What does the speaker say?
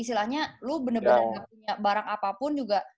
istilahnya lu bener bener gak punya barang apapun juga